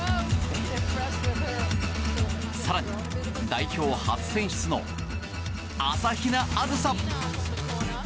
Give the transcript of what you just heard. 更に、代表初選出の朝比奈あずさ。